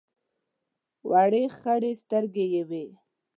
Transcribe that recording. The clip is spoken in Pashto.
وړې خړې سترګې یې وې.